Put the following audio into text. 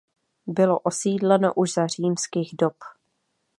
Bylo osídleno už za římských dob.